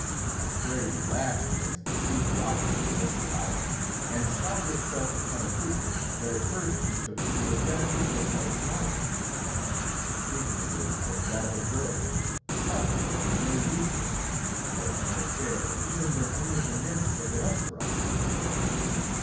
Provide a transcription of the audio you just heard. The spray lashed against the steep rocks of the desolate island, and showered itself upon a figure that at first he took to be a statue of white marble. The figure was but that of a girl, slight and very youthful, yet more fair even than any of the nymphs of the Hesperides.